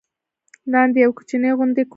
لاندې یوه کوچنۍ غوندې کوټه ده.